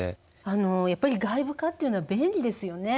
あのやっぱり外部化っていうのは便利ですよね。